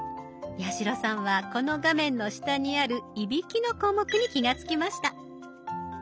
八代さんはこの画面の下にある「いびき」の項目に気が付きました。